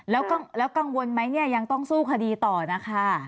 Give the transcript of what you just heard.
แล้วกังวลไหมเนี่ยยังต้องสู้คดีต่อนะคะ